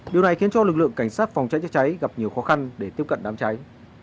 điều này khiến cho lực lượng cảnh sát phòng cháy chữa cháy gặp nhiều khó khăn để tiếp cận đám cháy